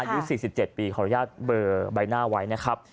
อายุ๔๗ปีขออนุญาตเบอร์ใบหน้าไว้นะครับ